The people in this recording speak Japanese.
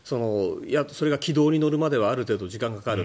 それが軌道に乗るまではある程度、時間がかかる。